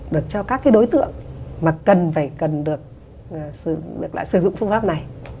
được cho các cái đối tượng mà cần phải cần được sử dụng phương pháp này